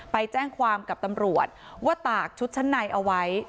ไปแจ้งความกับตำรวจว่าตากชุดชั้นในเอาไว้